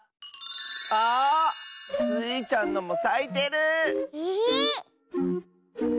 あ！スイちゃんのもさいてる！え？